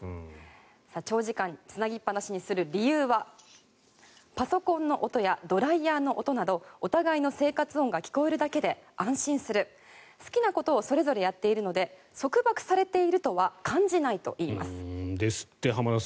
長時間つなぎっぱなしにする理由はパソコンの音やドライヤーの音などお互いの生活音が聞こえるだけで安心する好きなことをそれぞれやっているので束縛されているとは感じないといいます。